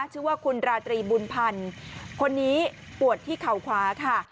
ชื่อว่าคุณราตรีบุญพันธ์คนนี้ปวดที่เข่าขวาค่ะ